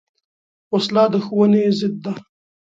وسله د ښوونې ضد ده